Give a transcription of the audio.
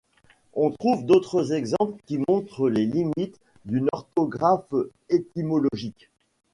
On trouve d'autres exemples qui montrent les limites d'une orthographe étymologique.